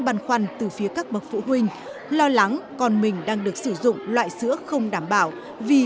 băn khoăn từ phía các bậc phụ huynh lo lắng còn mình đang được sử dụng loại sữa không đảm bảo vì